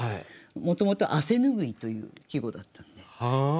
もともと「汗拭い」という季語だったので。